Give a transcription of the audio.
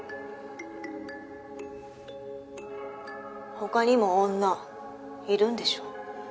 ほかにも女いるんでしょ？